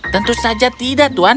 tentu saja tidak tuan